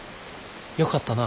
よかったな。